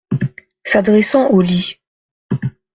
S’adressant au lit.